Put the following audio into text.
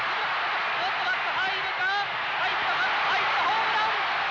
入るか入ったホームラン！